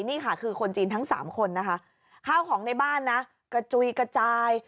นี่ค่ะคือคนจีนทั้งสามคนนะคะข้าวของในบ้านนะกระจุยกระจาย